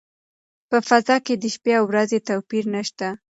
په فضا کې د شپې او ورځې توپیر نشته.